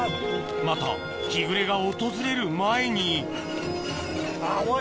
また日暮れが訪れる前にあっ重い！